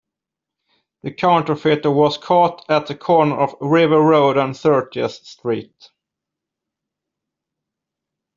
The counterfeiter was caught at the corner of River Road and Thirtieth Street.